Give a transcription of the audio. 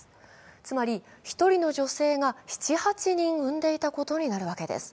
つまり１人の女性が７８人産んでいたことになるわけです。